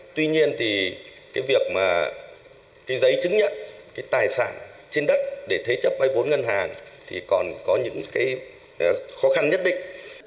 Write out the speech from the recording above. tuy nhiên thì cái việc mà cái giấy chứng nhận cái tài sản trên đất để thế chấp vay vốn ngân hàng thì còn có những cái khó khăn nhất định